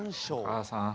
お母さん。